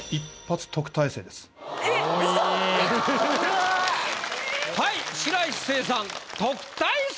えっはい白石聖さん特待生！